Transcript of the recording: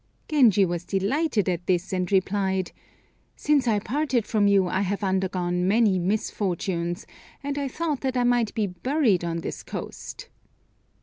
Genji was delighted at this, and replied, "Since I parted from you I have undergone many misfortunes, and I thought that I might be buried on this coast."